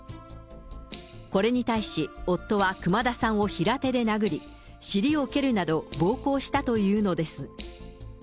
これに対し、夫は熊田さんを平手で殴り、尻を蹴るなど、暴行したというのです。